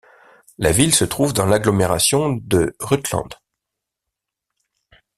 La ville se trouve dans l'agglomération de Rutland.